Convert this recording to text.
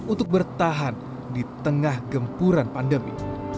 untuk bertahan di tengah gempuran pandemi